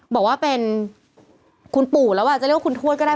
บอกว่าเป็นคุณปู่แล้วอาจจะเรียกว่าคุณทวดก็ได้